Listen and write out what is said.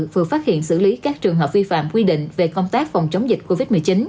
vừa phát hiện xử lý các trường hợp vi phạm quy định về công tác phòng chống dịch covid một mươi chín